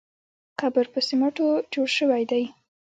قبر په سمېټو جوړ شوی دی.